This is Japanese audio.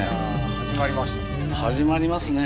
始まりますね。